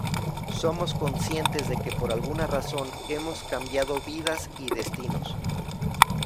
Somos conscientes de que, por alguna razón, hemos cambiado vidas y destinos.